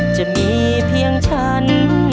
จะมีเพียงฉัน